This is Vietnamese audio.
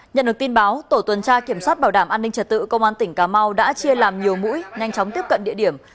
nhận được tin báo tổ tuần tra kiểm soát bảo đảm an ninh trật tự công an tỉnh cà mau đã chia làm nhiều mũi nhanh chóng tiếp cận địa điểm